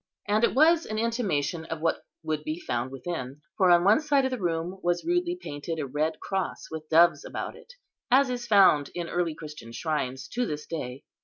And it was an intimation of what would be found within; for on one side of the room was rudely painted a red cross, with doves about it, as is found in early Christian shrines to this day.